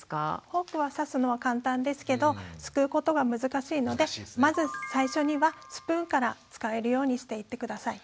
フォークは刺すのは簡単ですけどすくうことが難しいのでまず最初にはスプーンから使えるようにしていって下さい。